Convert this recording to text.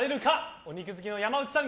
お肉好きの山内さん